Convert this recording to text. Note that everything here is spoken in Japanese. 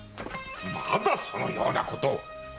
まだそのようなことを！